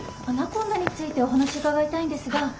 アナコンダについてお話伺いたいんですが。